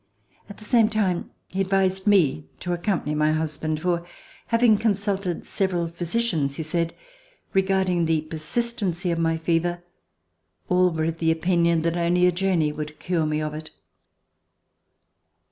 At the same time, he advised me to accompany my husband, for, having consulted several physicians, he said, regarding the persistency of my fever, all were of the opinion that only a journey would cure me of it.